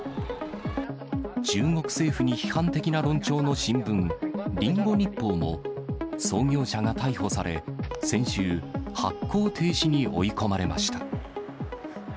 中国政府に批判的な論調の新聞、リンゴ日報も、創業者が逮捕され、先週、発行停止に追い込まれました。